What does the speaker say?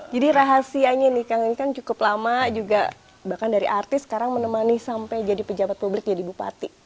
jadi rahasianya nih kang ini kan cukup lama juga bahkan dari artis sekarang menemani sampai jadi pejabat publik jadi bupati